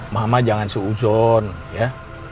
mama jangan seuzon ya